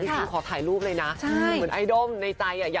นี่ทุกคนขอถ่ายรูปเลยนะเหมือนไอดลมในใจอ่ะ